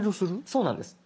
そうなんです。